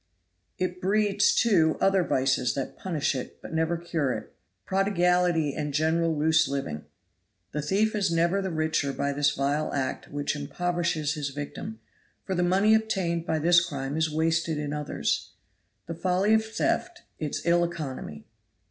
It breeds, too, other vices that punish it, but never cure it prodigality and general loose living. The thief is never the richer by this vile act which impoverishes his victim; for the money obtained by this crime is wasted in others. The folly of theft; its ill economy.